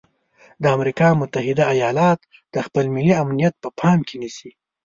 د امریکا متحده ایالات د خپل ملي امنیت په پام کې نیسي.